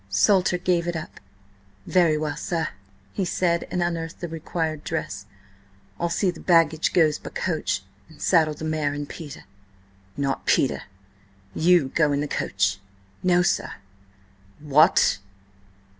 Salter gave it up. "Very well, sir," he said, and unearthed the required dress. "I'll see the baggage goes by coach, and saddle the mare and Peter." "Not Peter. You go in the coach." "No, sir." "What!"